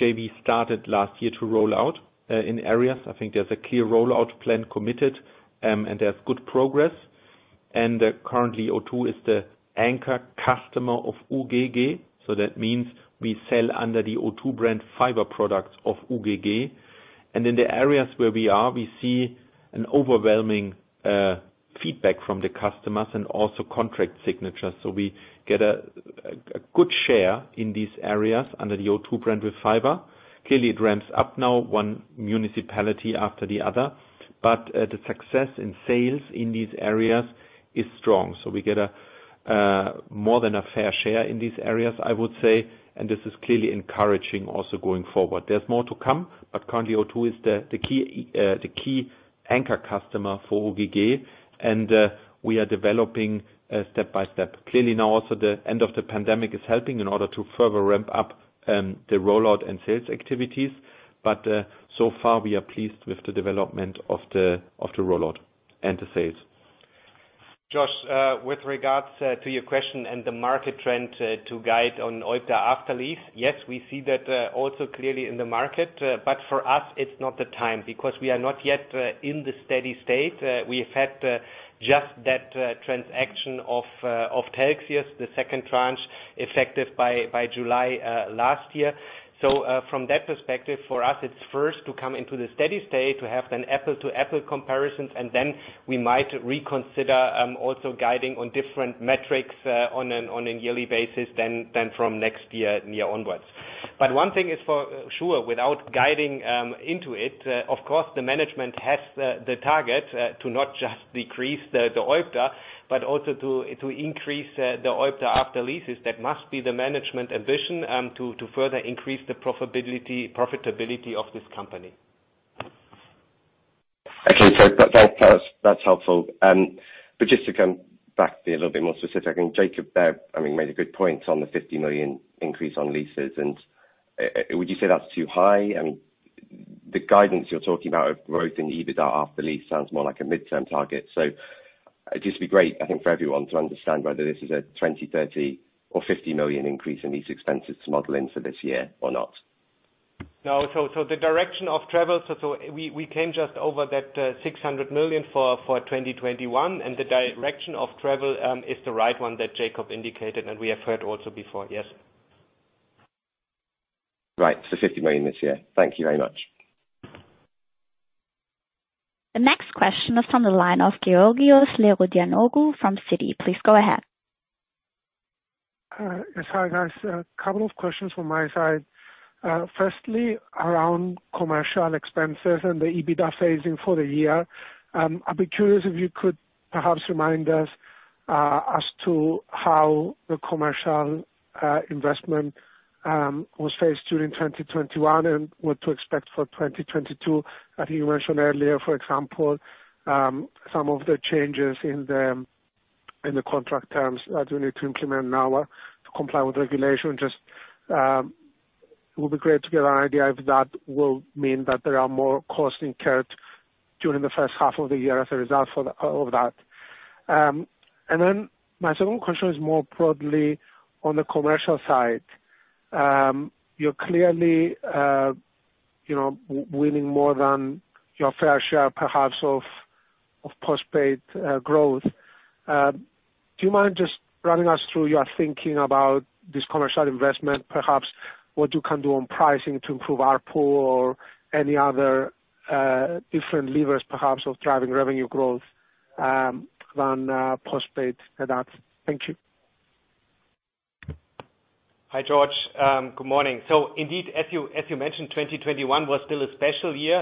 JV started last year to roll out in areas. I think there's a clear rollout plan committed, and there's good progress. Currently O2 is the anchor customer of UGG. So that means we sell under the O2 brand fiber products of UGG. In the areas where we are, we see an overwhelming feedback from the customers and also contract signatures. So we get a good share in these areas under the O2 brand with fiber. Clearly, it ramps up now one municipality after the other, the success in sales in these areas is strong. We get more than a fair share in these areas, I would say. This is clearly encouraging also going forward. There's more to come, but currently O2 is the key anchor customer for UGG, and we are developing step-by-step. Clearly now also the end of the pandemic is helping in order to further ramp up the rollout and sales activities. So far we are pleased with the development of the rollout and the sales. Josh, with regards to your question and the market trend, to guide on OIBDA after lease, yes, we see that also clearly in the market. But for us, it's not the time because we are not yet in the steady state. We have had just that transaction of Telxius, the second tranche effective by July last year. From that perspective, for us it's first to come into the steady state to have an apple-to-apple comparisons, and then we might reconsider also guiding on different metrics on a yearly basis than from next year onwards. One thing is for sure, without going into it, of course, the management has the target to not just decrease the OIBDA, but also to increase the OIBDA after leases. That must be the management ambition to further increase the profitability of this company. Okay. That's helpful. Just to come back to be a little bit more specific, I think Jakob there, I mean, made a good point on the 50 million increase on leases. Would you say that's too high? I mean The guidance you're talking about of growth in the EBITDA after lease sounds more like a midterm target. It'd just be great, I think, for everyone to understand whether this is a 20 million, 30 million or 50 million increase in these expenses to model in for this year or not. No, we came just over 600 million for 2021, and the direction of travel is the right one that Jakob indicated and we have heard also before. Yes. Right. 50 million this year. Thank you very much. The next question is from the line of Georgios Ierodiaconou from Citi. Please go ahead. Yes. Hi, guys. A couple of questions from my side. Firstly, around commercial expenses and the EBITDA phasing for the year, I'd be curious if you could perhaps remind us as to how the commercial investment was phased during 2021 and what to expect for 2022. I think you mentioned earlier, for example, some of the changes in the contract terms that you need to implement now to comply with regulation. Just, it would be great to get an idea if that will mean that there are more costs incurred during the first half of the year as a result of that. And then my second question is more broadly on the commercial side. You're clearly, you know, winning more than your fair share perhaps of post-paid growth. Do you mind just running us through your thinking about this commercial investment, perhaps what you can do on pricing to improve ARPU or any other different levers, perhaps, of driving revenue growth, than post-paid in that? Thank you. Hi, Georgios. Good morning. Indeed, as you mentioned, 2021 was still a special year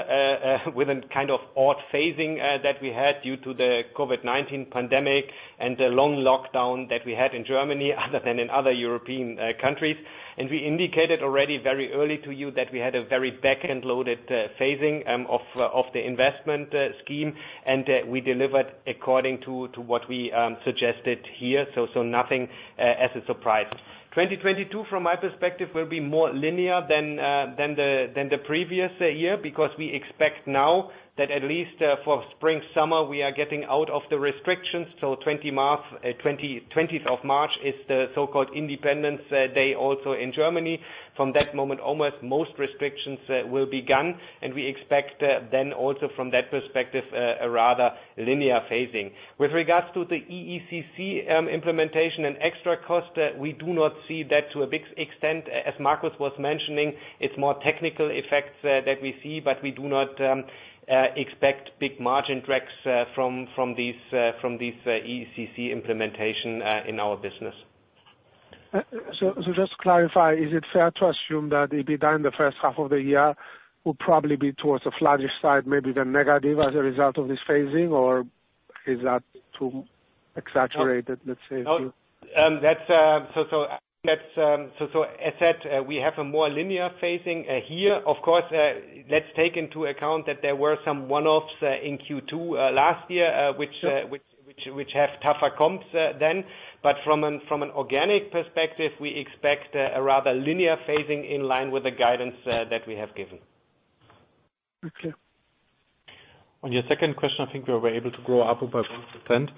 with a kind of odd phasing that we had due to the COVID-19 pandemic and the long lockdown that we had in Germany other than in other European countries. We indicated already very early to you that we had a very back-end loaded phasing of the investment scheme, and we delivered according to what we suggested here. Nothing as a surprise. 2022, from my perspective, will be more linear than the previous year, because we expect now that at least for spring/summer, we are getting out of the restrictions. 20th of March is the so-called Independence Day also in Germany. From that moment almost most restrictions will be gone, and we expect then also from that perspective a rather linear phasing. With regards to the EECC implementation and extra cost, we do not see that to a big extent. As Markus was mentioning, it's more technical effects that we see, but we do not expect big margin drags from these from this EECC implementation in our business. Just to clarify, is it fair to assume that EBITDA in the first half of the year will probably be towards the flattish side, maybe then negative as a result of this phasing? Or is that too exaggerated, let's say? No. That's so let's so as said we have a more linear phasing here. Of course, let's take into account that there were some one-offs in Q2 last year, which have tougher comps than. From an organic perspective, we expect a rather linear phasing in line with the guidance that we have given. Okay. On your second question, I think we were able to grow ARPU by 1%.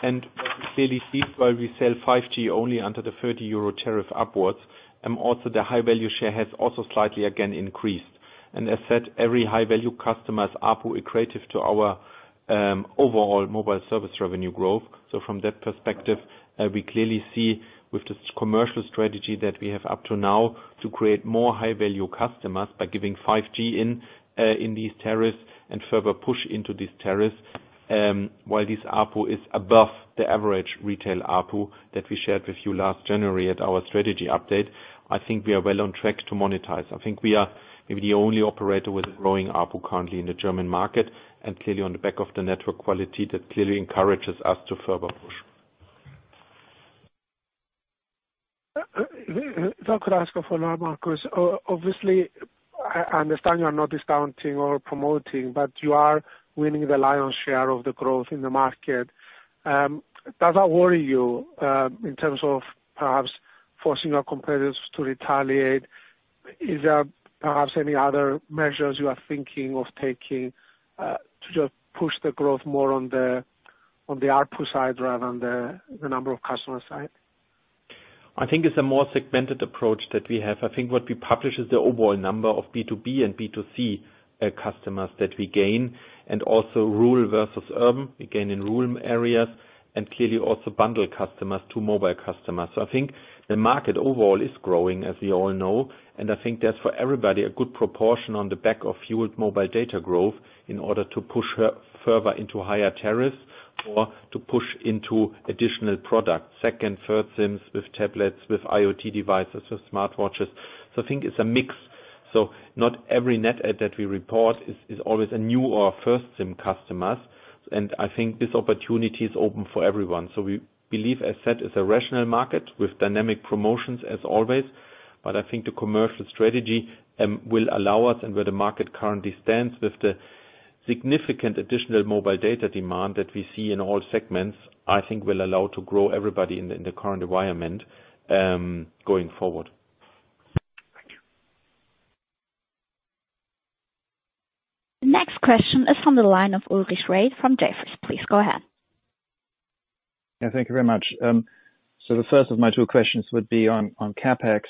What we clearly see is while we sell 5G only under the 30% EUR tariff upwards, also the high-value share has also slightly again increased. As said, every high-value customer's ARPU accretive to our overall mobile service revenue growth. From that perspective, we clearly see with this commercial strategy that we have up to now to create more high-value customers by giving 5G in these tariffs and further push into these tariffs, while this ARPU is above the average retail ARPU that we shared with you last January at our strategy update. I think we are well on track to monetize. I think we are maybe the only operator with a growing ARPU currently in the German market, and clearly on the back of the network quality that clearly encourages us to further push. If I could ask a follow-up, Markus. Obviously, I understand you are not discounting or promoting, but you are winning the lion's share of the growth in the market. Does that worry you in terms of perhaps forcing your competitors to retaliate? Is there perhaps any other measures you are thinking of taking to just push the growth more on the ARPU side rather than the number of customers side? I think it's a more segmented approach that we have. I think what we publish is the overall number of B2B and B2C customers that we gain, and also rural versus urban, we gain in rural areas, and clearly also bundle customers to mobile customers. I think the market overall is growing, as we all know, and I think that's for everybody, a good proportion on the back of fueled mobile data growth in order to push further into higher tariffs or to push into additional products. Second, third SIMs with tablets, with IoT devices, with smartwatches. I think it's a mix. Not every net add that we report is always a new or a first SIM customers. I think this opportunity is open for everyone. We believe, as said, it's a rational market with dynamic promotions as always. I think the commercial strategy will allow us, and where the market currently stands with the significant additional mobile data demand that we see in all segments, I think, will allow to grow everybody in the current environment, going forward. Thank you. The next question is from the line of Ulrich Rathe from Jefferies. Please go ahead. Yeah, thank you very much. The first of my two questions would be on CapEx.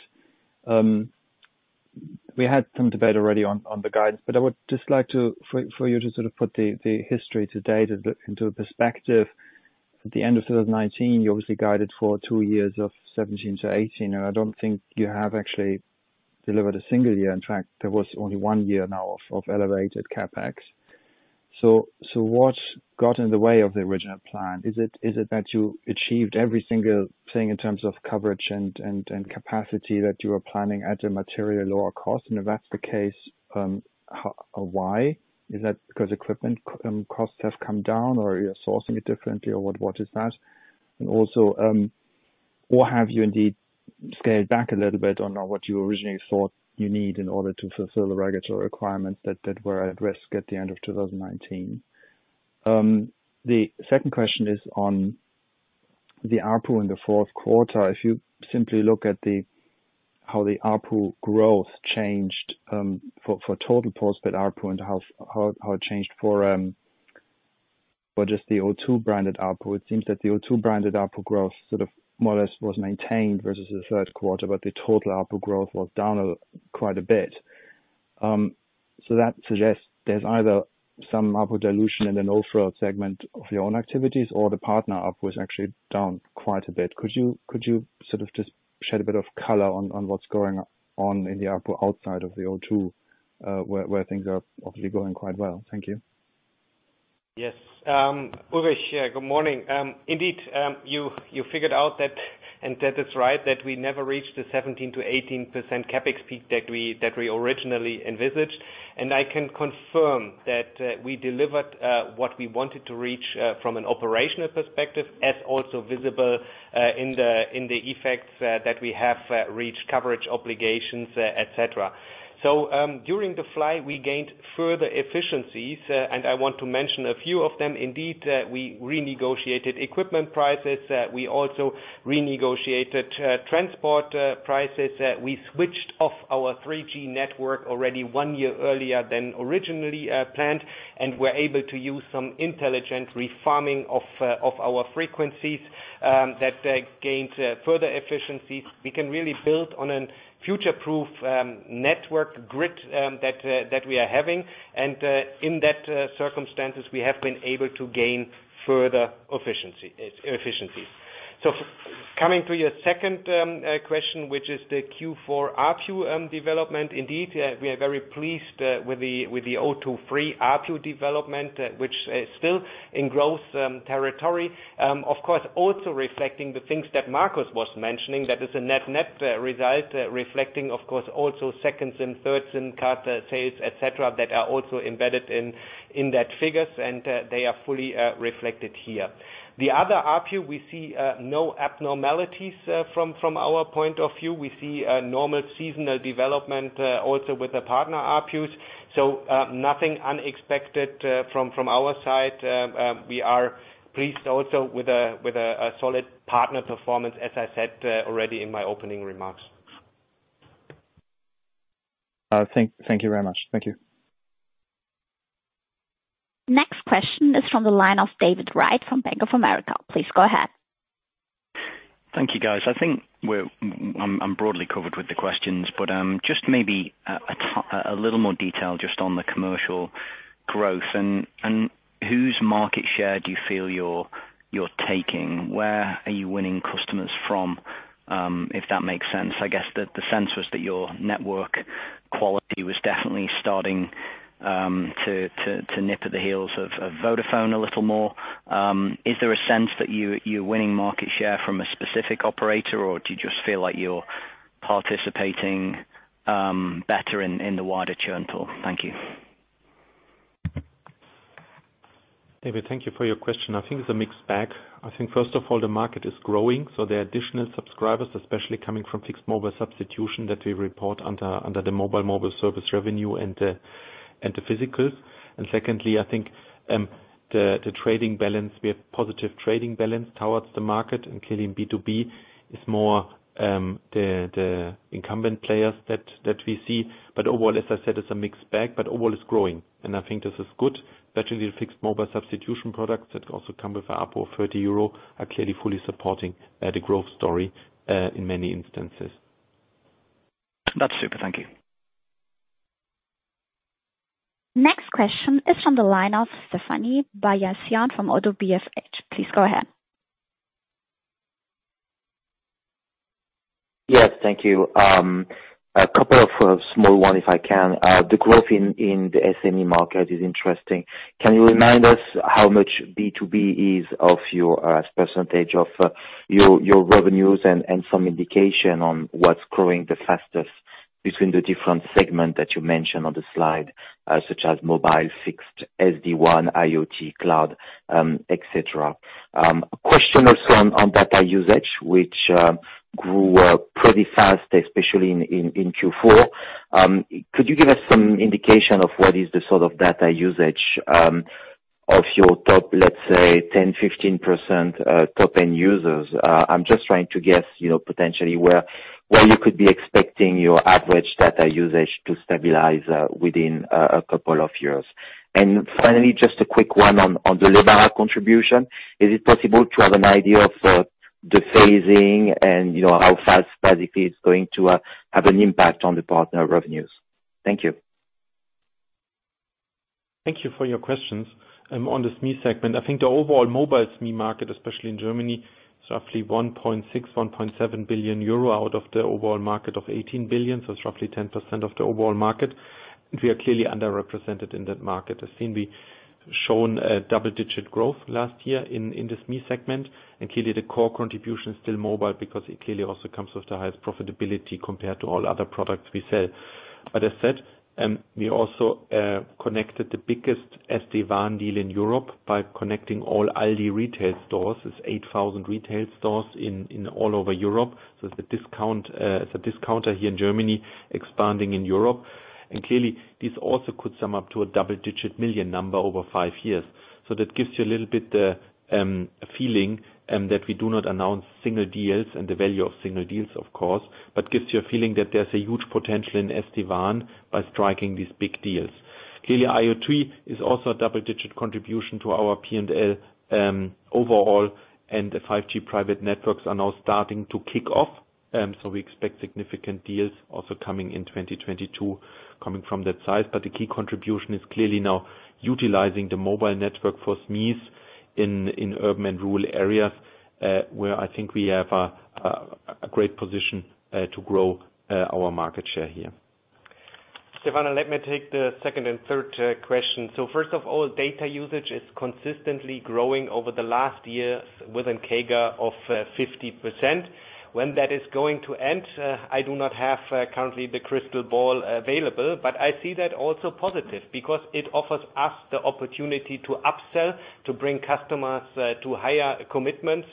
We had some debate already on the guides, but I would just like for you to sort of put the history to date into perspective. At the end of 2019, you obviously guided for two years of 1.7 billion-1.8 billion, and I don't think you have actually delivered a single year. In fact, there was only one year of elevated CapEx. What got in the way of the original plan? Is it that you achieved every single thing in terms of coverage and capacity that you were planning at a materially lower cost? And if that's the case, why? Is that because equipment costs have come down, or you're sourcing it differently, or what is that? Also, what have you indeed scaled back a little bit on what you originally thought you need in order to fulfill the regulatory requirements that were at risk at the end of 2019. The second question is on the ARPU in the fourth quarter. If you simply look at how the ARPU growth changed for total post-paid ARPU and how it changed for just the O2 branded ARPU. It seems that the O2 branded ARPU growth sort of more or less was maintained versus the third quarter, but the total ARPU growth was down quite a bit. That suggests there's either some ARPU dilution in an off-net segment of your own activities or the partner ARPU was actually down quite a bit. Could you sort of just shed a bit of color on what's going on in the ARPU outside of the O2, where things are obviously going quite well? Thank you. Yes. Ulrich, good morning. Indeed, you figured out that and that is right that we never reached the 17%-18% CapEx peak that we originally envisaged. I can confirm that we delivered what we wanted to reach from an operational perspective, as also visible in the effects that we have reached coverage obligations, etc. During the rollout, we gained further efficiencies and I want to mention a few of them. Indeed, we renegotiated equipment prices. We also renegotiated transport prices. We switched off our 3G network already one year earlier than originally planned and were able to use some intelligent refarming of our frequencies that gained further efficiencies. We can really build on a future-proof network grid that we are having. In that circumstances, we have been able to gain further efficiency. Coming to your second question, which is the Q4 ARPU development. Indeed, we are very pleased with the O2 Free ARPU development, which is still in growth territory. Of course, also reflecting the things that Markus was mentioning, that is a net result, reflecting, of course, also seconds and thirds in card sales, et cetera, that are also embedded in those figures, and they are fully reflected here. The other ARPU, we see no abnormalities from our point of view. We see a normal seasonal development also with the partner ARPUs. Nothing unexpected from our side. We are pleased also with a solid partner performance, as I said, already in my opening remarks. Thank you very much. Thank you. Next question is from the line of David Wright from Bank of America. Please go ahead. Thank you, guys. I think I'm broadly covered with the questions, but just maybe a little more detail just on the commercial growth and whose market share do you feel you're taking? Where are you winning customers from? If that makes sense. I guess the sense was that your network quality was definitely starting to nip at the heels of Vodafone a little more. Is there a sense that you're winning market share from a specific operator, or do you just feel like you're participating better in the wider churn pool? Thank you. David, thank you for your question. I think it's a mixed bag. I think, first of all, the market is growing, so there are additional subscribers, especially coming from fixed mobile substitution, that we report under the mobile service revenue and the fixed. Secondly, I think the trading balance, we have positive trading balance towards the market, and clearly in B2B is more the incumbent players that we see. Overall, as I said, it's a mixed bag, but overall it's growing, and I think this is good. Especially the fixed mobile substitution products that also come with ARPU of 30 euro are clearly fully supporting the growth story in many instances. That's super. Thank you. Next question is from the line of Stéphane Beyazian from ODDO BHF. Please go ahead. Yes, thank you. A couple of small one, if I can. The growth in the SME market is interesting. Can you remind us how much B2B is of your percentage of your revenues and some indication on what's growing the fastest between the different segment that you mentioned on the slide, such as mobile, fixed, SD-WAN, IoT, cloud, et cetera. A question also on data usage, which grew pretty fast, especially in Q4. Could you give us some indication of what is the sort of data usage of your top, let's say 10%-15% top end users? I'm just trying to guess, you know, potentially where you could be expecting your average data usage to stabilize within a couple of years. Finally, just a quick one on the Lebara contribution. Is it possible to have an idea of the phasing and, you know, how fast basically it's going to have an impact on the partner revenues? Thank you. Thank you for your questions. On the SME segment, I think the overall mobile SME market, especially in Germany, is roughly 1.6-1.7 billion euro out of the overall market of 18 billion, so it's roughly 10% of the overall market. We are clearly underrepresented in that market. As seen, we've shown a double-digit growth last year in the SME segment. Clearly the core contribution is still mobile because it clearly also comes with the highest profitability compared to all other products we sell. As said, we also connected the biggest SD-WAN deal in Europe by connecting all Aldi retail stores. It's 8,000 retail stores all over Europe. It's a discounter here in Germany expanding in Europe. Clearly this also could sum up to a double-digit million EUR number over five years. That gives you a little bit feeling that we do not announce single deals and the value of single deals, of course, but gives you a feeling that there's a huge potential in SD-WAN by striking these big deals. Clearly IoT is also a double-digit contribution to our P&L overall, and the 5G private networks are now starting to kick off, so we expect significant deals also coming in 2022 coming from that side. The key contribution is clearly now utilizing the mobile network for SMEs in urban and rural areas, where I think we have a great position to grow our market share here. Stéphane, let me take the second and third question. First of all, data usage is consistently growing over the last year with a CAGR of 50%. When that is going to end, I do not have currently the crystal ball available, but I see that also positive because it offers us the opportunity to upsell, to bring customers to higher commitments.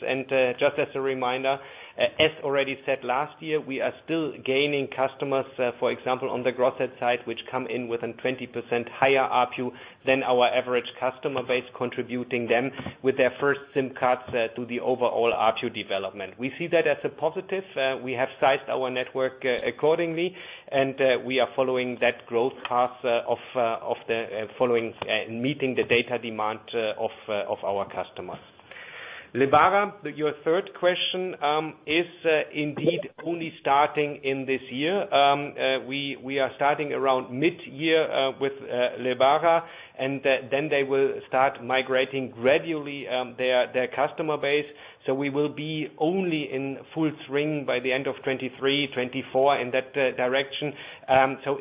Just as a reminder, as already said last year, we are still gaining customers, for example, on the O2 Grow side, which come in with a 20% higher ARPU than our average customer base, contributing them with their first SIM cards to the overall ARPU development. We see that as a positive. We have sized our network accordingly, and we are following that growth path of meeting the data demand of our customers. Lebara, your third question is indeed only starting in this year. We are starting around mid-year with Lebara, and then they will start migrating gradually their customer base. We will be only in full swing by the end of 2023, 2024 in that direction.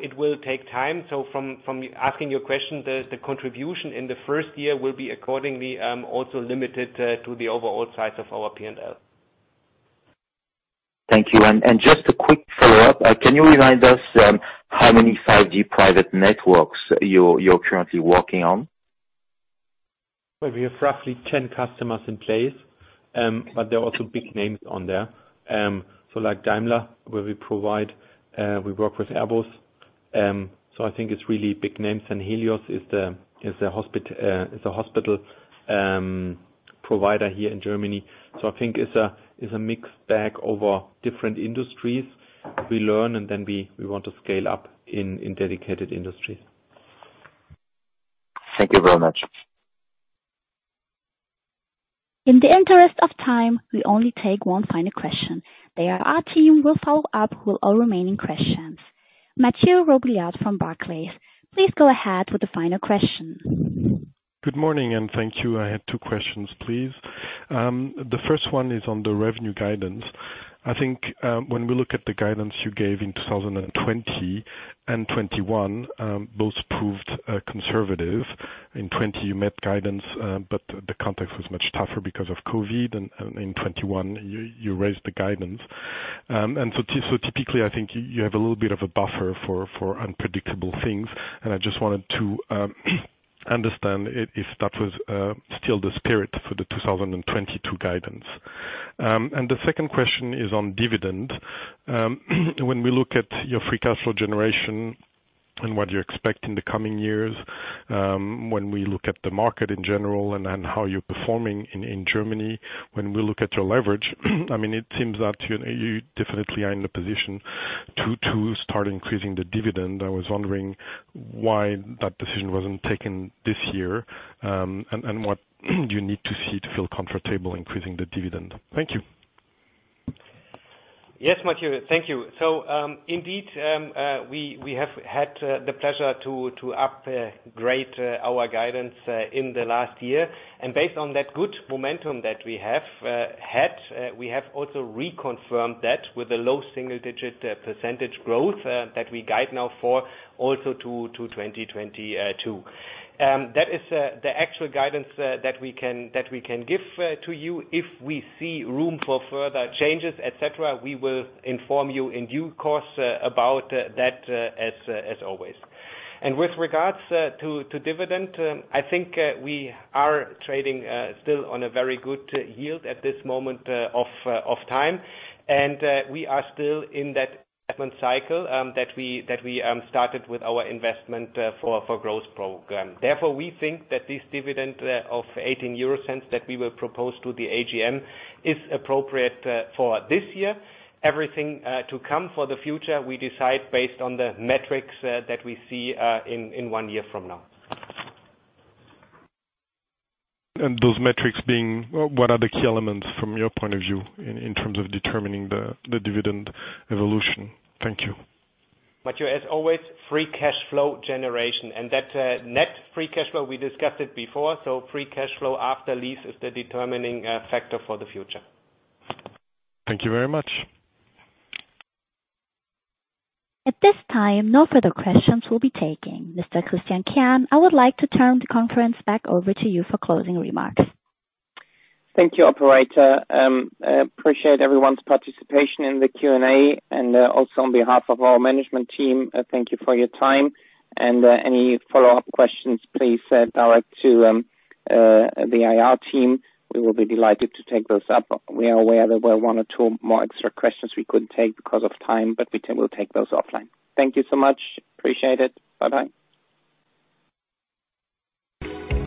It will take time. From asking your question, the contribution in the first year will be accordingly also limited to the overall size of our P&L. Thank you. Just a quick follow-up. Can you remind us how many 5G private networks you're currently working on? Well, we have roughly 10 customers in place, but there are also big names on there. So like Daimler, where we provide, we work with Airbus, so I think it's really big names. Helios is the hospital provider here in Germany. I think it's a mixed bag over different industries. We learn and then we want to scale up in dedicated industries. Thank you very much. In the interest of time, we only take one final question. The IR team will follow up with all remaining questions. Mathieu Robilliard from Barclays, please go ahead with the final question. Good morning, and thank you. I have two questions, please. The first one is on the revenue guidance. I think, when we look at the guidance you gave in 2020 and 2021, both proved conservative. In 2020 you met guidance, but the context was much tougher because of COVID, and in 2021 you raised the guidance. So typically I think you have a little bit of a buffer for unpredictable things. I just wanted to understand if that was still the spirit for the 2022 guidance. The second question is on dividend. When we look at your free cash flow generation and what you expect in the coming years, when we look at the market in general and on how you're performing in Germany, when we look at your leverage, I mean, it seems that you definitely are in the position to start increasing the dividend. I was wondering why that decision wasn't taken this year, and what you need to see to feel comfortable increasing the dividend. Thank you. Yes, Mathieu. Thank you. Indeed, we have had the pleasure to upgrade our guidance in the last year. Based on that good momentum that we have had, we have also reconfirmed that with a low single digit percentage growth that we guide now for 2022 also. That is the actual guidance that we can give to you. If we see room for further changes, et cetera, we will inform you in due course about that, as always. With regards to dividend, I think we are trading still on a very good yield at this moment of time. We are still in that investment cycle that we started with our investment for growth program. Therefore, we think that this dividend of 0.18 that we will propose to the AGM is appropriate for this year. Everything to come for the future, we decide based on the metrics that we see in one year from now. Those metrics being, what are the key elements from your point of view in terms of determining the dividend evolution? Thank you. Mathieu, as always, free cash flow generation. That, net free cash flow, we discussed it before, so free cash flow after lease is the determining factor for the future. Thank you very much. At this time, no further questions will be taken. Mr. Christian Kern, I would like to turn the conference back over to you for closing remarks. Thank you, operator. I appreciate everyone's participation in the Q&A. Also on behalf of our management team, thank you for your time. Any follow-up questions, please send directly to the IR team. We will be delighted to take those up. We are aware there were one or two more extra questions we couldn't take because of time, but we'll take those offline. Thank you so much. Appreciate it. Bye-bye.